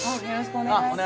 お願いします。